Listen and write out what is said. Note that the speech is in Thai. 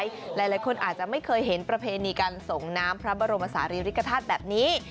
หลายคนอาจจะไม่เคยเห็นประเพณีการส่งน้ำพระบรมศาลีริกฐาตุแบบนี้